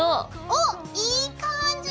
おっいい感じ！